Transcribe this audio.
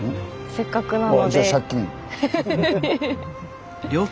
せっかくなので。